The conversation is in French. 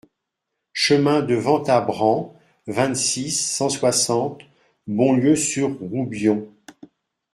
Chemin de Ventabren, vingt-six, cent soixante Bonlieu-sur-Roubion